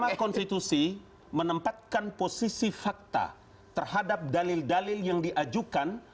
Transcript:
mahkamah konstitusi menempatkan posisi fakta terhadap dalil dalil yang diajukan